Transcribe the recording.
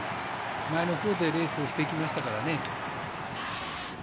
前のほうでレースをしていましたからね。